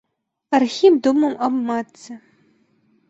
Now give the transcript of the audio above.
Архіп думаў аб матцы.